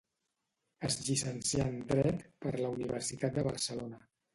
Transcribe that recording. Es llicencià en dret per la Universitat de Barcelona.